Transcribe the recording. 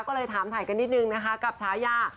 ก็เลยถามถ่ายกันนิดนึงนะคะกับฉายา